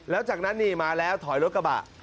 แล้วจากนั้นนี่มาแล้วถอยรถกระบะ